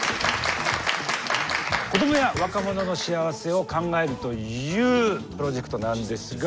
子どもや若者の幸せを考えるというプロジェクトなんですが。